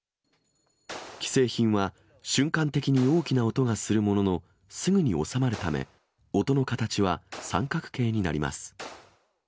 既製品は、瞬間的に大きな音がするものの、すぐに収まるため、音の形は三角形になります。